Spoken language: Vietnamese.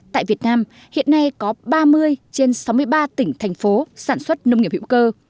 tại việt nam hiện nay có ba mươi trên sáu mươi ba tỉnh thành phố sản xuất nông nghiệp hữu cơ